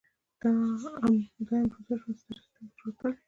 د امروزه ژوند سټرېس کنټرول کړي -